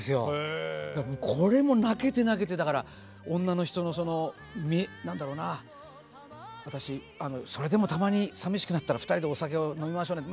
これも泣けて泣けてだから女の人のその私それでもたまに淋しくなったら二人でお酒を飲みましょうねって。